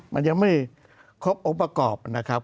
มันยังควรไม่ควบคุมอังกฎนะครับ